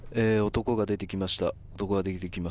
男が出てきました。